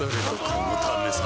このためさ